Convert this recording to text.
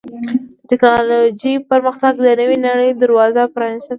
د ټکنالوجۍ پرمختګ د نوې نړۍ دروازه پرانستې ده.